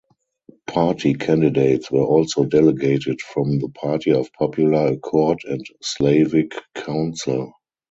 Party candidates were also delegated from the Party of Popular Accord and Slavic Council.